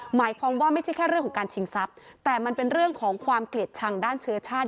หมายความว่าไม่ใช่แค่เรื่องของการชิงทรัพย์แต่มันเป็นเรื่องของความเกลียดชังด้านเชื้อชาติ